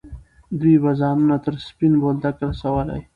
دوی به ځانونه تر سپین بولدکه رسولي.